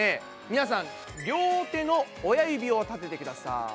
皆さん両手の親指を立ててください。